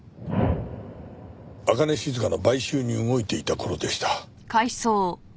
朱音静の買収に動いていた頃でした。